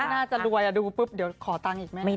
น่าจะรวยดูปุ๊บเดี๋ยวขอตังค์อีกไหม